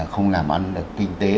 không làm ăn được kinh tế